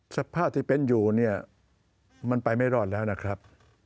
สภาพที่เป็นอยู่เนี่ยมันไปไม่รอดแล้วนะครับ